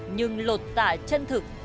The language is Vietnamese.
nhưng lột tả chân thực